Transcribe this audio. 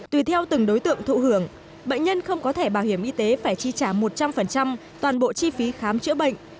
tùy theo từng đối tượng thụ hưởng bệnh nhân không có thẻ bảo hiểm y tế phải chi trả một trăm linh toàn bộ chi phí khám chữa bệnh